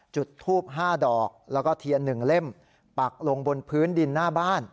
จุดทูบ๕ดอกแล้วก็เทียน๑เล่มปักลงบนพื้นดินหน้าบ้าน